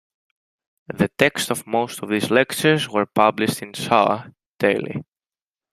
The text of most of these lectures were published in "Shargh" daily.